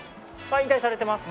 引退されてます。